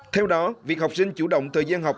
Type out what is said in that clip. theo đó việc học sinh chủ động thời gian học